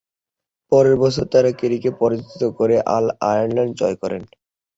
পরের বছর তারা কেরিকে পরাজিত করে অল আয়ারল্যান্ড জয় করে।